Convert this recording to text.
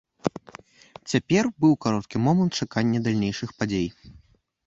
Цяпер быў кароткі момант чакання далейшых падзей.